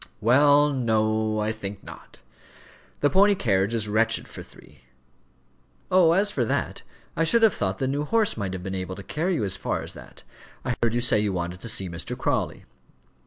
"Well, no; I think not. The pony carriage is wretched for three." "Oh, as for that, I should have thought the new horse might have been able to carry you as far as that. I heard you say you wanted to see Mr. Crawley."